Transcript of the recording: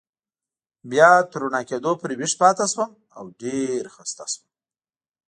بیا تر رڼا کېدو پورې ویښ پاتې شوم او ډېر و خسته شوم.